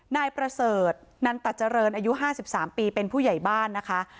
นายประเสริฐนันตเจริญอายุ๕๓ปีเป็นผู้ใหญ่บ้านนะคะ